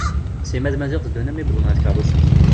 Sima d Maziɣ teddun alammi i wwḍen ɣer tkerrust-is.